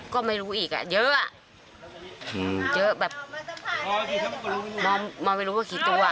ก็ไม่รู้อีกอ่ะเยอะอ่ะเยอะแบบมองไม่รู้ว่ากี่ตัว